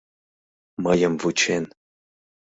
Мыйым вучен.